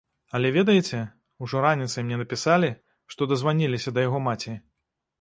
Але ведаеце, ужо раніцай мне напісалі, што дазваніліся да яго маці.